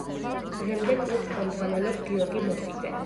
დღემდე კლუბს ხელმძღვანელობს გიორგი მოსიძე.